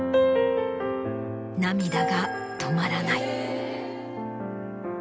涙が止まらない。